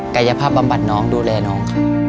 กายภาพบำบัดน้องดูแลน้องค่ะ